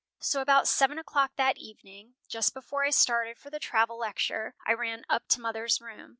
So about seven o'clock that evening, just before I started for the travel lecture, I ran up to mother's room.